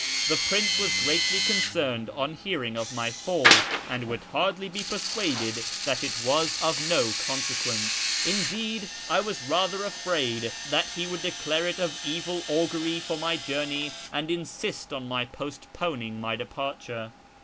The prince was greatly concerned on hear ing of my fall, and would hardly be persuaded that it was of no consequence ; indeed, I was rather afraid that he would declare it of evil augury for my journey, and insist on my postponing my departure.